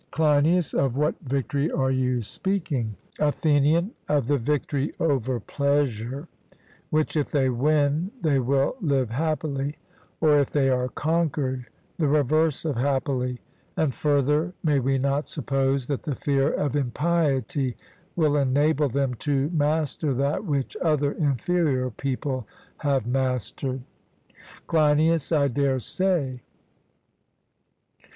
CLEINIAS: Of what victory are you speaking? ATHENIAN: Of the victory over pleasure, which if they win, they will live happily; or if they are conquered, the reverse of happily. And, further, may we not suppose that the fear of impiety will enable them to master that which other inferior people have mastered? CLEINIAS: I dare say.